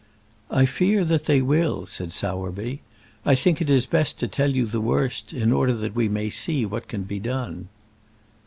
"I fear that they will," said Sowerby. "I think it is best to tell you the worst, in order that we may see what can be done."